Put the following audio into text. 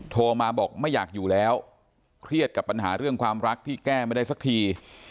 โทรมาบอกไม่อยากอยู่แล้วเครียดกับปัญหาเรื่องความรักที่แก้ไม่ได้สักที